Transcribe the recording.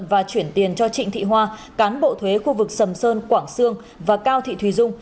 và chuyển tiền cho trịnh thị hoa cán bộ thuế khu vực sầm sơn quảng sương và cao thị thùy dung